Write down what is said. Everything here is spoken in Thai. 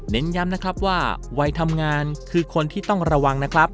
เน้นย้ำนะครับว่าวัยทำงานคือคนที่ต้องระวังนะครับ